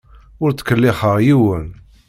Ur ttkellixeɣ yiwen.